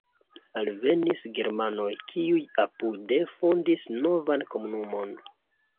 Alvenis germanoj, kiuj apude fondis novan komunumon.